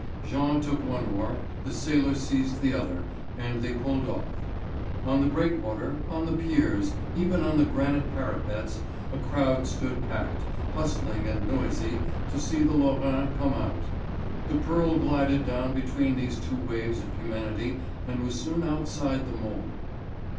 Jean took one oar, the sailor seized the other and they pulled off. On the breakwater, on the piers, even on the granite parapets, a crowd stood packed, hustling, and noisy, to see the Lorraine come out. The Pearl glided down between these two waves of humanity and was soon outside the mole.